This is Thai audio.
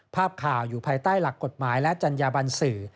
ภาพข่าวอยู่ภายใต้หลักกฎหมายและจัญญาบันสื่อ